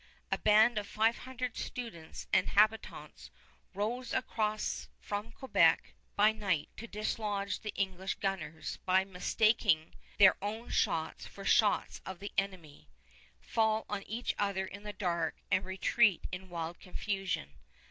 A band of five hundred students and habitants rows across from Quebec by night to dislodge the English gunners, but mistaking their own shots for the shots of the enemy, fall on each other in the dark and retreat in wild confusion.